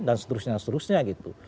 dan seterusnya seterusnya gitu